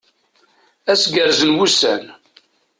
Ad as-gerrzen wussan!